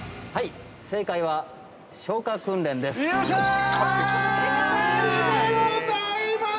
◆正解は、消火訓練です。